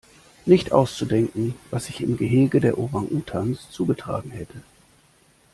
Nicht auszudenken, was sich im Gehege der Orang-Utans zugetragen hätte!